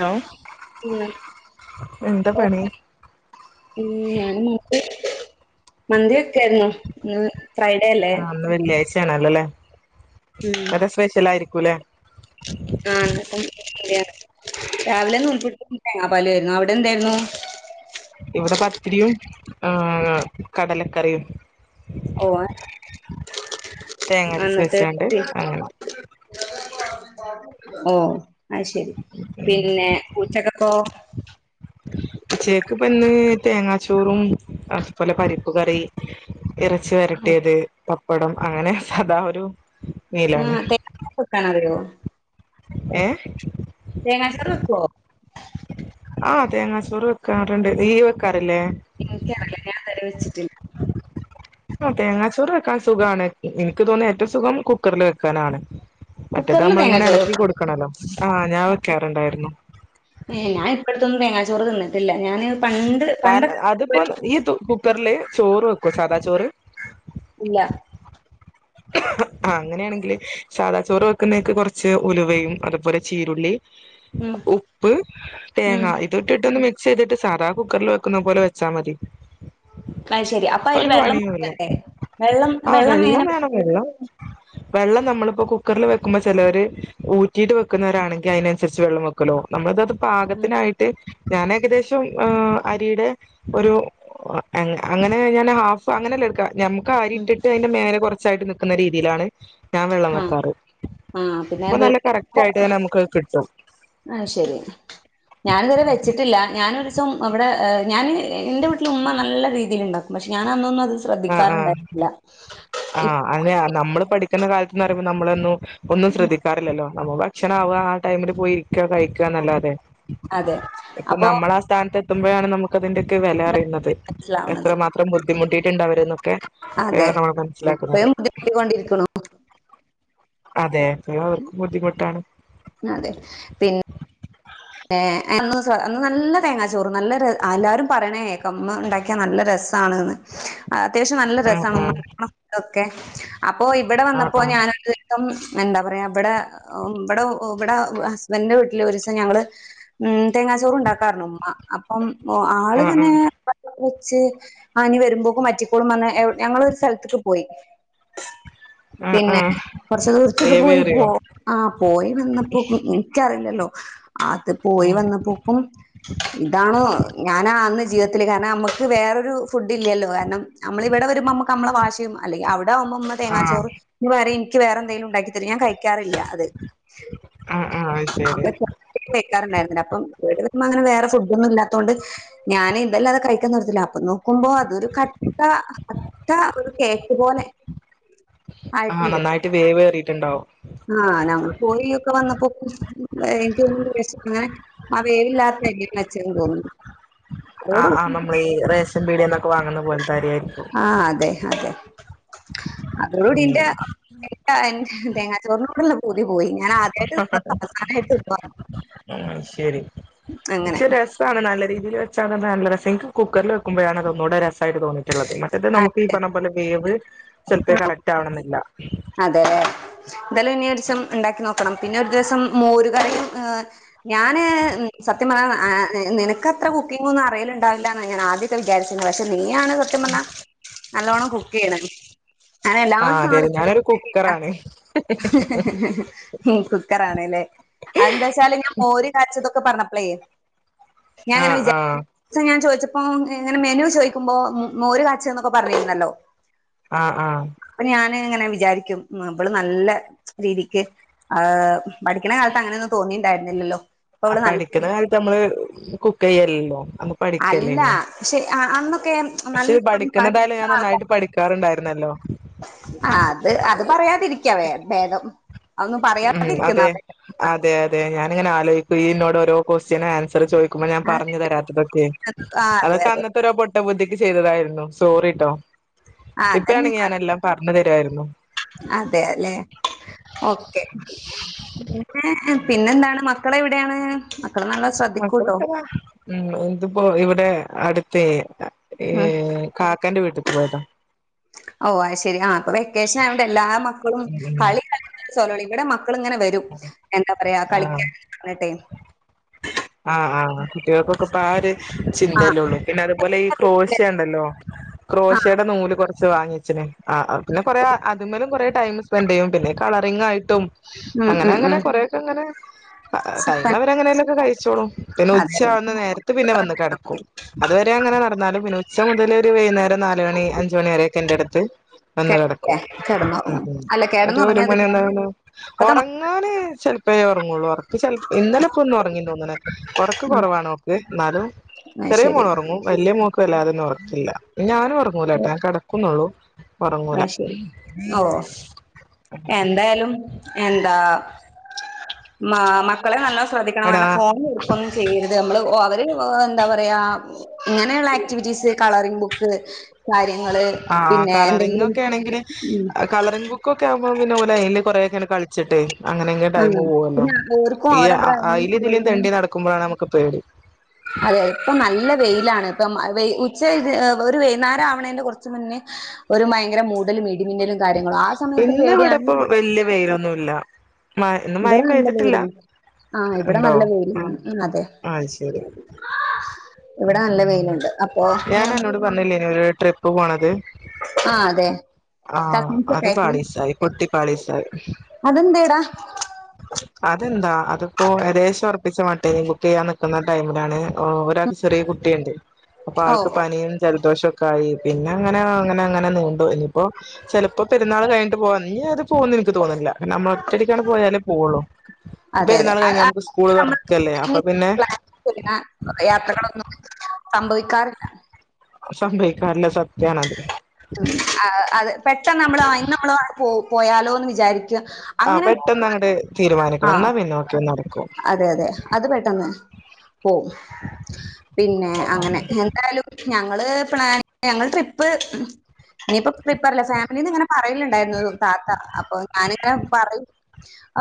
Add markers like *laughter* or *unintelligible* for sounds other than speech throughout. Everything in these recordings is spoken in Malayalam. ഹലോ ഉം എന്താ പണി ഉം ഞാനും നോക്കി മന്തി വക്കായിരുന്നു ഇന്ന് ഫ്രൈഡേ അല്ലേ ന്ന് വെള്ളിയാഴ്ചയാണല്ലോല്ലേ ഉം അവിടെ സ്പെഷ്യൽ ആയിരിക്കൂല്ലേ അന്ന്പ്പം മന്തിയാണ്ആഹ രാവിലെ നൂൽപുട്ട് തേങ്ങ പാലും ആരുന്നു അവിടെ എന്തായിരുന്നു ഇവിടെ പത്തിരിയും ആ കടലക്കറിയും ഓ തേങ്ങരച്ച് അന്നട്ട് വെച്ചാണ്ട് അങ്ങനെ *unintelligible* ഓ അത് ശരി ഉം പിന്നെ ഉച്ചക്കക്കോ ഉച്ചക്ക് ഇപ്പ ഇന്ന് തേങ്ങാച്ചോറും അതുപോലെ പരിപ്പ് കറി ആഹ് ഇറച്ചിവരട്ടിയത് പപ്പടം അങ്ങനെ സാദ ഒരു ആ മീലാണ് തെക്ക് കുത്തനറിയോ ഏ തേങ്ങചോറ് വെക്കോ ആഹ് തേങ്ങാ ചോറ് വെക്കാറുണ്ട് നീ വെക്കാറില്ലേ എനിക്കറിയില്ല ഞാൻ ഇതേ വരെ വെച്ചിട്ടില്ല ആ തേങ്ങാച്ചോറ് വെക്കാൻ സുഖാണ് എനിക്ക് തോന്നുന്നു ഏറ്റവും സുഖം കുക്കറിൽ വെക്കാനാണ് മറ്റേത് കുക്കറില് നമ്മള ഇങ്ങനെ തേങ്ങാച്ചോറ് ഇളക്കി വെക്കും കൊടുക്കണല്ലോ ആഹ് ഞാൻ വെക്കാറുണ്ടായിരുന്നു ങേ ഞാൻ ഇപ്പഴത്തൊന്നും തേങ്ങാച്ചോറ് തിന്നിട്ടില്ല ഞാന് പണ്ട് കാരണം പണ്ടൊക്കെ അതിപ്പോ ഈ കുക്കറില് ചോറ് വെക്കും സാദാ ചോറ് ഇല്ല ആ അങ്ങനെയാണെങ്കിൽ സാദാ ചോറ് വെക്കുന്നതേക്കെ കുറച്ച് ഉലുവയും അതുപോലെ ചീരുള്ളി ഉം ഉപ്പ് ഉം തേങ്ങ ഇത് ഇട്ടിട്ടോ ന്ന് മിക്സ് ചെയ്തിട്ട് സാദാ കുക്കറിൽ വെക്കുന്ന പോലെ വെച്ചാൽ മതി അ ശെരി അപ്പൊ അതില് ഒരു വെള്ളം വെ പണിയുല്ല ക്കണ്ടേ വെള്ളം ആഹ് വെള്ളം എങ്ങനെ വേണം വെള്ളം വെള്ളം നമ്മളിപ്പോ കുക്കറിൽ വെക്കുമ്പോൾ ചിലര് ഊറ്റിട്ട് വെക്കുന്നവരാണെങ്ക അതിനനുസരിച്ച് വെള്ളം വെക്കും ലോ നമ്മള ക്ക ത് വെ പാകത്തിനായിട്ട് ഞാൻ ഏകദേശം ഏ അരിയുടെ ഒരു അങ്ങനെ ഞാൻ ഹാഫ് അങ്ങനെല്ലേ എടുക്കാ ഞമ്മക്ക് ആരി ഉം ഉം ഇട്ടിട്ട് അതിന്റെ മേന കുറച്ചായിട്ട് നി ക്കുന്ന രീതിയിലാണ് ഞാൻ വെള്ളം ആഹ് വെക്കാറ് ആഹ് പിന്നെ അപ്പൊ നല്ല വീട്ടില് കറക്റ്റ് ആയിട്ട് തന്നെ നമുക്ക് കിട്ടും ആ ശരി ഞാാനിതുരെ വെച്ചിട്ട് ഇല്ല ഞാനൊ ഒരു ദസം അവിടെ ഞാന് എന്റെ വീട്ടിൽ ഉമ്മ നല്ല രീതിയിൽ ഉണ്ടാക്കും പക്ഷെ ഞാൻ അന്നൊന്ന അത് ശ്രദ്ധിക്കാറുണ്ടായിരുന്നില്ല ഇ ആഹ് അങ്ങെ നമ്മള് പഠിക്കുന്ന കാലത്ത്ന്ന് പറയുമ്പോൾ നമ്മളൊന്നും ഒന്നും ശ്രദ്ധിക്ക ക്കാറില്ലല്ലോ നമ്മ ഭക്ഷണ ആവു ക ആ ടൈമില് പോയിരിക്കും രിക്ക കഴി ക്ക ന്ന ല്ലാതെ അതെ ഇപ്പൊ അപ്പൊ നമ്മള ആ സ്ഥാനത്ത് എത്തുമ്പഴാണ് നമുക്ക് അതിന്റെക്കെ വില അറിയുന്നത് മനസ്സിലാവണത് എത്രമാത്രം ബുദ്ധിമുട്ടിയിട്ടുണ്ട അവര എന്നൊക്കെ ഇപ്പോഴാ ണ് നമ്മള് മനസ്സിലാക്കുന്നത് ധിട്ടൊണ്ടിരിക്കണോ അതെഇന്ന് അവർക്കും ബുദ്ധിമുട്ടാണ് അതെ പിന്നെ ഏഹന്ന്നല്ല തേങ്ങാ ചോറ് നല്ല എല്ലാരും പറയണേ ഇ മ്മ ഉണ്ടാക്കിയാ നല്ല രസമാണ്ന്ന് അത്യാവശ്യം നല്ല ആ രസമാണ് ആ ഉമ്മ ഒക്കെ അപ്പോഇവിടെ ആ വന്നപ്പോ ആ ഞാന എന്താ പറയാ ഇവിടെ ഇവിടെ ഇവിടെ ഹസ്ബൻഡന്റെ വീട്ടിൽ ഒരി സം ഞങ്ങള് ഉ തേങ്ങാച്ചോറ ഉണ്ടാക്കാന്ന് ഉമമ്മഅപ്പം ആള് ആ ങ്ങനെ വെള്ളം ക്കേ വച്ച് ആനി വരുമ്പോക്ക മറ്റിക്കോളും വന്ന് ഞങ്ങളൊ ഒരു സ്ഥലത്തേക്ക് പോയി ഉം ഉം കുറച്ച ദൂരിത് ക്ക് ട്ടപോയ പോ ആ പോയി വന്നപ്പോ എനിക്കറിയില്ലല്ലോ ആത് പോയി ഉം വന്ന പോക്കും ഇതാണോ ഞാനാന്ന് ജീവിതത്തില് കാരണം നമ്മുക്ക് വേറൊരു ഫുഡ് ഇല്ലല്ലോ കാരണം നമ്മള ഇവിടെ വരുമ്പോ നമ്മക്ക്മ്മള വാശി യും അല്ലെ അവിടെവ്പോമ്മ ആ തേങ്ങാ ചോറ് ഇന്ന് വരെ എനിക്ക് വേറെന്തങ്കും ഉണ്ടാക്കി ഇത്തി ഞാൻ കഴിക്കാറില്ല അത് ആ ആ ശരി വെക്കാുണ്ടായിരുന്നില്ല അപ്പ വിട്ടിൽ നിക്കു മ്പോ അനെ വേറെ ഫുഡ് ഒന്നും ഇാത്തതൊണ്ട് ഞാന്ഇ ന്തല്ല അത് കഴിക്കുന്നന്ന്രത്തില്ലാപ്പുന്നു നക്കുമ്പോ അതൊരു കട്ട കട്ട ഒരു കേക്ക് പോലെ ആഹ് നന്നായിട്ട് വേവേ റിയിട്ടു ണ്ടാവും ആഹ ഞങ്ങ പോയി ഒക്കെ വന്നപ്പോ എനക്ക്ന്ന വിഷ അങ്ങനെ അവേവി ലാർത്ത രി വെച്ചെന്ന് തോന്നുന്നു ആഹ് അതോടുകൂടി ആഹ് നമ്മൾ ഈ റേഷൻ പീടന്നൊക്കെ വാങ്ങുന്ന പോലത്തെ അരി ആായിരിക്കും ആ അതെ അതെ അതോടുകൂടി ഉം എന്റെ എ തേങ്ങാ ചോറനോടുള്ള പൂതിപോയി ഞാൻ ആദ്യമായിട്ട് നി അവസാനായിട്ട് ആ ശരി അങ്ങനെ ശരിപക്ഷേ ടെസ്റ്റ്‌ ട്ടാണ് നല്ല രീതീല് വെച്ചാ *unintelligible* നല്ല രസാ എനിക്ക് കുക്കറില് വെക്കുമ്പഴാണ് അതൊന്നൂടെ രസമായിട്ട് തോന്നിയെ മറ്റുള്ളത് *unintelligible* നമുക്ക് ഈ അതെ പറഞ്ഞ പോലെ വേവ് ചെലപ്പോ കറക്റ്റ് ആവണെന്നില്ല അതെലെ എന്തായാലും ഇനി ഒരു ദിവസം ഇണ്ടാക്കി നോക്കണം പിന്നെ ഒരു ദിവസം മോരുകറിയും ഏഹ് ഞാന് ഉം സത്യം പറഞ്ഞാ ആഹ് നിനക്കത്ര കുക്കിംങ്ങ് ഒന്നും അറിയല്ണ്ടാവില്ലാന്നാ ഞാൻ ആദ്യം വിചാരിച്ച പക്ഷെ നീയാണ് സത്യം പറഞ്ഞാ നല്ലോണ്ണം കുക്ക് ചെയ്യണ് അങ്ങനെ എല്ലാ ആ അതെ സാധ അതെ ഞാനൊരു കുക്കറാണ് *unintelligible* ഉം കുക്കറാണ്ല്ലേ ആന്താച്ചാല് ഞാൻ മോര് കാച്ചിയതൊക്കെ പറഞ്ഞപ്പളെ ഞാൻ ആ അങ്ങനെ ആ വിചാ ചോയിച്ചപ്പോ ഇങ്ങനെ മെനു ചോദിക്കുമ്പോ മ് മോര് കാച്ച് ച്ച്ന്നൊക്കെ പറഞ്ഞിരുന്നല്ലോ ആഹ് ആഹ് അപ്പൊ ഞാന് ഇങ്ങനെ വിചാരിക്കും ഇവള് നല്ല രീതിക്ക് ആഹ് പഠിക്കണ കാലത്ത് അങ്ങനെയൊന്നും തോന്നിയിണ്ടായിരുന്നില്ലല്ലോ ആഹ് പടിക്കണ കാലത്ത് നമ്മള് കുക്ക് ചെയ്യല്ലല്ലോ നമ്മക് അല്ല പക്ഷെ ആഹ് അന്നൊക്കെ ആഹ് നൽ പക്ഷെ പഠിക്കുന്നതായാലും ഞാൻ നന്നായിട്ട് *unintelligible* പഠിക്കാറുണ്ടായിരുന്നല്ലോ ആഹ് അത് അത് പറയാതിരിക്കാ വേ ഭേദം അതൊന്നും ഉം പറയാതിരിക്കുന്ന അതെ അതെ അതെ ഞാനിങ്ങനെ ആലോചിക്കും ഇയ്യ്ന്നോട് ഓരോ ക്വസ്റ്റ്യന് ആൻസർ ചോയിക്ക് ക്കുമ്പം ഞാൻ ആ പറഞ്ഞു തരാത്തതൊക്കെ അതെ അതൊക്കെ അതെ അന്നത് ത്തോരോ പൊട്ട ബുദ്ധിക്ക് ചെയ്തതായിരുന്നു സോറിട്ടോ ആ ഇപ്പഴാണെങ്കി ഞാനെല്ലാം പറഞ്ഞു തെരുവായിരുന്നു അതെല്ലെ ഓക്കെ പിന്നെ പിന്നെന്താണ് മക്കളെവിടെയാണ് മക്കള് നാളെ മക്കളൊക്കെ ഇതാ ഉം ഇതിപ്പോ ഇവിടെ അടുത്തെ ഉം ഏഹ് കാക്കാന്റെ വീട്ട്ക്ക് പോയതാ ഓഹ് അയ് ശരി ആഹ് ഇപ്പൊ വെക്കേഷൻ ആയതോണ്ട് എല്ലാ മക്കളും ഉം ഉം കളി *unintelligible* *unintelligible* ഇവിടെ മക്കളിങ്ങനെ വെരും എന്താ പറയാ ആഹ് കളിക്കാന് പറഞ്ഞ്ട്ടെ ആഹ് ആഹ് കുട്ടികൾക്കൊക്കെ ഇപ്പ ആ ഒരു ചിന്തയല്ലേ ഉള്ളൂ പിന്നെ അതുപോലെ ഈ ക്രോശ്യ ഉണ്ടല്ലോ? ആഹ് ക്രോശേടെ നൂല് കൊറച്ച് വാങ്ങി വെച്ചിന് ആഹ് പിന്നെ കൊറെ അതുമ്മലും കൊറെ ടൈം സ്പെൻഡ് ചെയ്യും പിന്നെ കളറിങ് ആയിട്ടും ഉം അങ്ങനെ ഉം അങ്ങനെ ഉം. കൊറെയെക്കെ അങ്ങനെ ആഹ് ടൈമ് തന്നെ. അവരെങ്ങെനേലൊക്കെ കഴിച്ചോളും പിന്നെ അതെ ഉച്ച അതെ. ആവുന്ന നേരത്ത് പിന്നെ വന്ന് കെടക്കും അതുവരെ അങ്ങനെ നടന്നാലും പിന്നെ ഉച്ച മുതല് ഒരു വൈന്നേരം നാല് മണി അഞ്ചുമണി വരെയൊക്കെ ഇൻ്റെടുത്ത് വന്ന് കെടന്നില്ലേ? കെടക്കും ഉം കെടന്നുറങ്ങും. ഉം അല്ല ഒര് ഒരു കെടന്നുറങ്ങിയത് മണി ഒന്നേകാലാവ് ഒ ഇപ്പത്തെ മക്ക ങ്ങാന് ചെലപ്പഴേ ഒറങ്ങുള്ളൂ ഒറക്ക് ചെൽ ഇന്നലെ ഇപ്പൊന്ന് ഒറങ്ങീന്ന് തോന്നണ് ഒറക്ക് കൊറവാണോക്ക് ഇന്നാലും *unintelligible* റ്റെ മോളൊറങ്ങും വല്യ മോക്ക് വല്ലാതൊന്നും ഒറക്കില്ല ഞാനും ഒറങ്ങൂലാട്ടോ ഞാൻ കെടക്കുന്നുള്ളൂ ഒറങ്ങൂല അത് ശരി ഓഹ് എന്തായാലും എന്താ മാ മക്കളെ നല്ലോം ശ്രദ്ധിക്കണം എടാ അങ്ങനെ ഫോൺ കൊടുക്കൊന്നും ചെയ്യര് നമ്മള് അവര് എഹ് എന്താ പറയാ ഇങ്ങനെയുള്ള ആക്ടിവിറ്റീസ് കളറിംങ് ബുക്ക് കാര്യങ്ങള് ആഹ് പിന്നെ എന്തെങ്കിലും കളറിങ്ങൊക്കെ ആണെങ്കില് ഉം കളറിങ് ബുക്കൊക്കെ ആകുമ്പോ പിന്നെ ഓല് അയില് കൊറെക്കെങ്ങനെ കളി ച്ചിട്ട് അങ്ങനെയെങ്കിലും ടൈമ് ആഹ് പോവല്ലോ പിന്നെ ഓർക്കും ഈ ഓരോ അ ബ്രെയിൻ അയിലെ ഇതിലേം ബ്രെയിനും തെണ്ടി നട ക്കുമ്പഴാണ് നമ്മക്ക് പേടി അതെ ഇപ്പ നല്ല വെയിലാണ് ഇപ്പം ആഹ് വെയ് ഉച്ച ഇ ഒരു വൈന്നേരം ആവണേന്റെ കൊറച്ച് മുന്നേ ഒരു ഭയങ്കര മൂടലും ഇടിമിന്നലും കാര്യങ്ങളും ആ സമയത്തും പേടിയാണ് ഇന്നിവിടിപ്പം വല്ല്യ വെയിലൊന്നുല്ല മ ഇന്ന് ഇവിടെ മഴയും നല്ല പെയ്തട്ടില്ല വെയിലാണ് ആഹ് ഇവിടെ ഇണ്ടോ നല്ല ആഹ് വെയിലാണ് അതെ അത്‌ ശരി ഉം ഇവിടെ നല്ല ഉം. വെയിലുണ്ട് അപ്പൊ *inaudible* ഞാൻ അന്നോട് പറഞ്ഞില്ലേനോ ഒരു ട്രിപ്പ് ആഹ് അതെ ആഹ് കസിൻസ് അത് ഒക്കെ ആയിട്ട് പാളീസായി പൊട്ടി പാളീസായി അതെന്തേടാ അതെന്താ അതിപ്പോ ഏകദേശം ഒറപ്പിച്ച മട്ടെ ബുക്ക് ചെയ്യാൻ നിക്കുന്ന ടൈമിലാണ് ഓഹ് ഒരാ ചെറിയ കുട്ടിയെണ്ട് അപ്പൊ ഓ അവൾക്ക് പനിയും ജലദോഷൊക്കായി പിന്നെ അങ്ങനെ അങ്ങനെ അങ്ങനെ നീണ്ടു പോയി ഇനിപ്പോ ചെലപ്പോ പെര്ന്നാള് കഴിഞ്ഞിട്ട് പോവാ ഇഞ്ഞ് അത് പോവ്ന്ന് എനിക്ക് തോന്നണില്ല നമ്മള് ഒറ്റടിക്കാണ്ട് പോയാലേ പോവൊള്ളൂ ഈ അതെ അതെ പെര്ന്നാള് അ- കഴിഞ്ഞാ അ- നമക്ക് സ്കൂള് നമ്മൾ തൊറക്കല്ലേ അപ്പപ്പിന്നെ യാത്രകളൊന്നും സംഭവിക്കാറ് സംഭവിക്കാറില്ല സത്യാണത് ഉം അഹ് അത് പെട്ടെന്ന് നമ്മള് അയ്നു നമ്മള് പോ പോയാലോന്ന് വിചാരി ആഹ് പെട്ടെന്നങ്ങട് ആ തീരുമാനിക്കണം. എന്നാ പിന്നെ ഒക്കെ നടക്കും അതെ അതെ അത് പെട്ടെന്ന് പോവും പിന്നെ അങ്ങനെ എന്തായാലും ഞങ്ങള് പ്ലാന് ഞങ്ങള് ട്രിപ്പ് ഇനിയിപ്പം ട്രിപ്പർല ഫാമിലീന്നിങ്ങനെ പറയലിണ്ടായിരുന്നു ഒര് താത്ത അപ്പൊ ഞാനിങ്ങനെ പറയും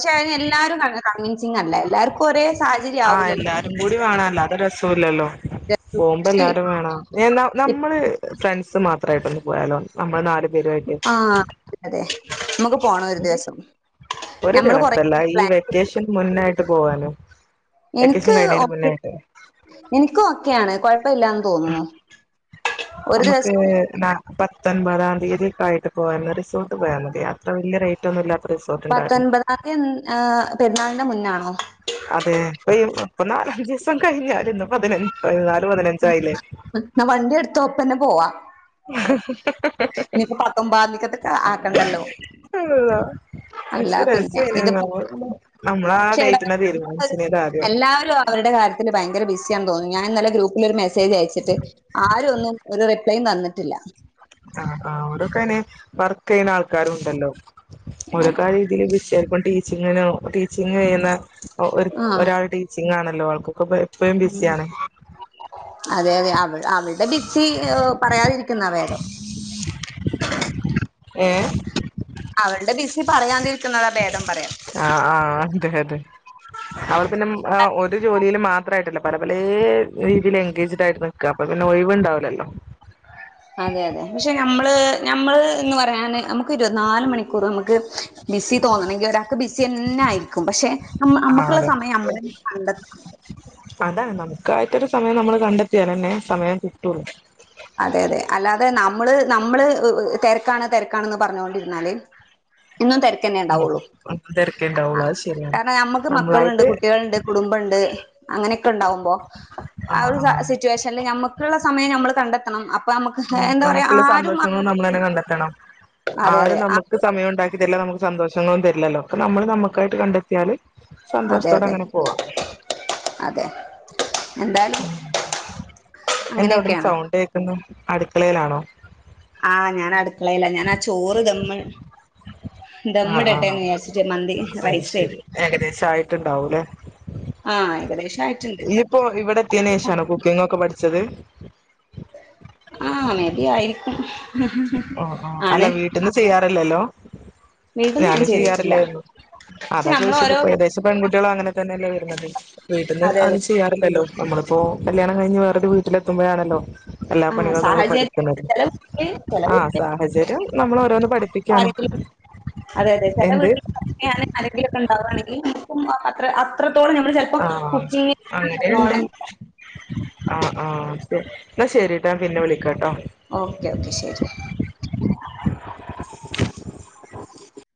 പക്ഷെ അയിന് എല്ലാവരും അങ്ങ് കൺവിൻസിങ്ങല്ല എല്ലാർക്കും ഒരേ സാഹചര്യം ആഹ് ആവൂലല്ലോ എല്ലാരും കൂടി വേണം അല്ലാതെ രസുല്ലല്ലോ പോവുമ്പോ പക്ഷേ എല്ലാരും വേണം ഞാന്നാ നമ്മള് ഫ്രണ്ട്സ് മാത്രായിട്ടൊന്ന് പോയാലോ നമ്മള് നാല് പേരുവായിട്ട് ആഹ് അതെ നമ്മക്ക് പോണം ഒരു ദിവസം ഒരു ഞമ്മള് കൊറേ ദിവസല്ല ഈ *unintelligible* വെക്കേഷൻ മുന്നായിട്ട് പോവാനോ വെക്കേഷൻ കഴീണേന് മുന്നേയിട്ട് ഇൻക്ക് ഓക്കെയാണ് കൊഴപ്പവില്ലാന്ന് തോന്നുന്നു ഒര് ദിവസം എന്നാ പത്തൊൻപതാം തീയതിക്കായിട്ട് പോയന്ന റിസോർട്ട് പോയാ മതി അത്ര വല്ല്യ റേ റ്റൊന്നും ഇല്ലാത്ത റിസോർട്ടെണ്ടാവൂല്ലേ അതെൻ ആഹ് പെര്ന്നാളിന്റെ മുന്നാണോ അതേ ഇപ്പ ഈ ഇപ്പ നാലഞ്ചീസം കഴിഞ്ഞാല് ഇന്ന് പതിനഞ് പതിനാല് പതിനഞ്ചായീലേ എന്നാ വണ്ടി എട്ത്തോ ഇപ്പന്നെ പോവാ ഇഞ്ഞിപ്പ പത്തൊമ്പാത്തിക്കത്ത്ക്ക് ആക്കണ്ടല്ലോ *unintelligible* അല്ല പക്ഷെ പിന്നെ രസേനി ഇതിപ്പോ നമ്മള് നമ്മളാ പക്ഷേടാ ഡൈറ്റിനെ തീരുമാനിച്ചീനിയത് ആദ്യം അവര്ടെ കാര്യത്തില് ഭയങ്കര ബിസിയാണ് തോന്നണ് ഞാൻ ഇന്നലെ ഗ്രൂപ്പിലൊരു മെസേജയ്ച്ചിട്ട് ആരു ഒന്നും ഒര് റിപ്ലൈയും തന്നിട്ടില്ല ആഹ് ആഹ് ഓരൊക്കയ്നെ വർക്കെയ്യണ ആൾക്കാരും ഉണ്ടല്ലോ അതെ ഓരൊക്കാരി ധികം ബിസി ആയിരിക്കും ടീച്ചിങ്ങിനൊ ടീച്ചിങ്ങ് ചെയ്യുന്ന ഒ ഒര് ഒരാള് ടീ ച്ചിങ്ങാണല്ലോ ആൾക്കൊക്കെപ്പെ ഉം അതെ അതെ അവൾ അവൾടെ ബിസി പറയാതിരി ക്കുന്നാ ഭേദം ഏ അവൾടെ ബിസി പറയാതിരിക്കുന്നതാ ഭേദം പറയാ ആഹ് ആഹ് അതെ അതെ അവള് പിന്നെ ഒരു ജോലീലും മാത്രായിട്ടല്ല പല പലേ രീതില് എൻഗേജഡ് ആയിരിന്ന് പുതിയാപ്ലക്ക് പിന്നെ ഒഴിവ്ണ്ടാവ് ല്ലല്ലോ അതെ അതെ പക്ഷേ നമ്മള് ഞമ്മള്ന്ന് പറയാന് നമ്ക്ക് ഇരുവത്ത് നാല് മണിക്കൂറ് നമ്ക്ക് ബിസി തോന്നണങ്കി ഒരാക്ക് ബിസിന്നെ ആയിരിക്കും. പക്ഷേ ആ നമ്മക്ക്ള്ള അതെ സമയം നമ്മളെന്നെ കണ്ടെത്തണം. അതാണ് നമുക്കായിട്ടൊരു സമയം നമ്മള് കണ്ടെത്തിയാലന്നെ സമയം കിട്ടൊള്ളൂ. അതെ അതെ അല്ലാതെ നമ്മള് നമ്മള് തെരക്കാണ് തെരക്കാണെന്ന് പറഞ്ഞോണ്ടിര്ന്നാല് എന്നും തെര് ഉം തെര്ക്കെണ്ടാവൊള്ളു അഹ് ശ കാരണം ഞമ്മക്ക് മക്കള്ണ്ട്, കുട്ടിയള്ണ്ട്, കുടുംബണ്ട്, അങ്ങനെക്കെ ഇണ്ടാവുമ്പോ ആഹ് ആഹ് സിറ്റുവേഷനില് ഞമ്മക്ക്ള്ള സമയം നമ്മള് കണ്ടെത്തണം. അപ്പ ഞമ്മക്ക് എന്താ പറയാ ആരും ആ നമ്മളെന്നെ കണ്ടെത്തണം ആരും നമ്ക്ക് സമയം ഉണ്ടാക്കിതര്ല നമ്ക്ക് സന്തോഷങ്ങളും തര്ലല്ലോ. അപ്പ നമ്മള് നമുക്കായിട്ട് കണ്ടെത്തിയാല് അതെ സന്തോഷത്തോടെ അതെ അങ്ങനെ പോവാ അതെ എന്തായാലും എന്താ അവ്ട്ന്ന് അങ്ങനെയൊക്കെയാണ് സൗണ്ട് കേക്കുന്നു, അടുക്കളേലാണോ? ആഹ് ഞാൻ അടുക്കളേലാ ഞനാ ചോറ് ദമ്മ് ആഹ് ദമ്മിടട്ടെ ആഹ് എന്ന് വിചാരിച്ചിട്ട് മന്തി അ റൈസേ ശെരി. ഏകദേശ ആയിട്ടുണ്ടാവൂല്ലേ ആ ഏകദേശം ആയിട്ടുണ്ട് നീ പ്പോ ഇവിടെത്തിയ്നേഷാണോ കുക്കിംഗ് ഒക്കെ പഠിച്ചത്? ആഹ് മെബി ആയിരിക്കും ആ ആ അല്ല ആണ് വീട്ടിന്ന് ചെയ്യാറില്ലല്ലോ? വീട്ടിന്ന് ഞാൻ ഞാനും ചെയ്തിട്ടില്ല ചെയ്യാറില്ലാരുന്നു. പക്ഷെ അതാ നമ്മൾ ഓരോ ചോയിച്ചതിപ്പ ഏകദേശ പെൺകുട്ട്യോളങ്ങനെതന്നെല്ലേ വെരുന്നത് വീട്ടിന്ന് അതെ അതെ ആലോയ്‌ച് ചെയ്യാറില്ലല്ലോ, നമ്മളിപ്പോ കല്യാണം കഴിഞ്ഞ് വേറരു വീട്ടിലെത്തുമ്പോഴാണല്ലോ എല്ലാ ആ പണികളും നമ്മള് സാഹചര്യം പഠിക്കണത് ചില വീട്ടില് ചില ആഹ് വീട്ടില് സാഹചര്യം നമ്മളോരോന്ന് പഠിപ്പിക്കാണ്. എന്ത് *unintelligible* ആരെങ്കിലുഒക്കെ ഇണ്ടാവുകവാണെങ്കി നുമുക്കും അത്ര അത്രത്തോളം നമ്മള് ചെ പ്പൊ ആ കുക്കിംഗ *unintelligible* ആഹ് ആഹ് എന്നാ ശെരിട്ടാ പിന്ന വിളിക്കാട്ടാ ഓക്കേ ഓക്കെ ശെരി